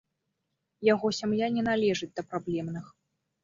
Яго сям'я не належыць да праблемных.